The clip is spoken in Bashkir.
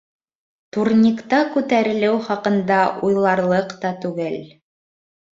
Турникта күтәрелеү хаҡында уйларлыҡ та түгел.